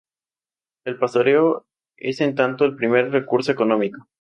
El pastoreo es en tanto el primer recurso económico.